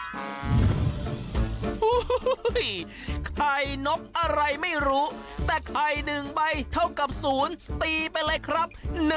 โอ้โหไข่นกอะไรไม่รู้แต่ไข่๑ใบเท่ากับ๐ตีไปเลยครับ